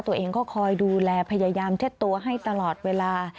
ตัวเองก็คอยดูแลพยายามเช็ดตัวให้ตลอดเวลา